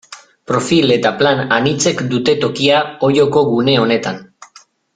Profil eta plan anitzek dute tokia Olloko gune honetan.